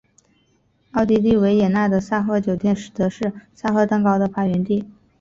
奥地利维也纳的萨赫酒店则是萨赫蛋糕的发源地。